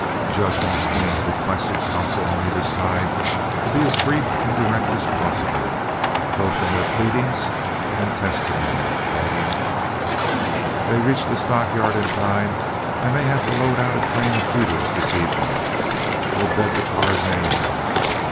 Judge Mulqueen requested counsel on either side to be as brief and direct as possible, both in their pleadings and testimony, adding: "If they reach the stock yards in time, I may have to load out a train of feeders this evening. We'll bed the cars, anyhow."